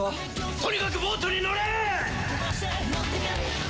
とにかくボートに乗れ！